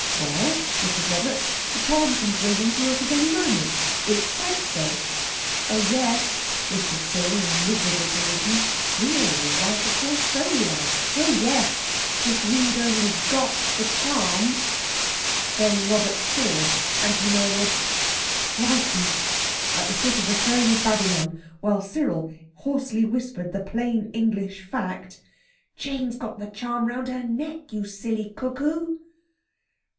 "Well," whispered Robert, "the charm can bring them to us at any moment. It said so." "Oh, yes," whispered Cyril, in miserable derision, "we're all right, of course. So we are! Oh, yes! If we'd only got the charm." Then Robert saw, and he murmured, "Crikey!" at the foot of the throne of Babylon; while Cyril hoarsely whispered the plain English fact— "Jane's got the charm round her neck, you silly cuckoo."